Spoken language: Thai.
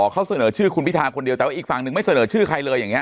เขาเสนอชื่อคุณพิทาคนเดียวแต่ว่าอีกฝั่งหนึ่งไม่เสนอชื่อใครเลยอย่างนี้